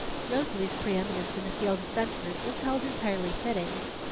Rosalie's preëminence in the field of sentiment was held entirely fitting.